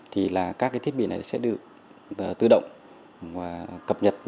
thì là các cái thiết bị này sẽ được tự động và cập nhật